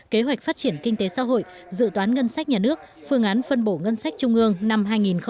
kế hoạch phát triển kinh tế xã hội dự toán ngân sách nhà nước phương án phân bổ ngân sách trung ương năm hai nghìn hai mươi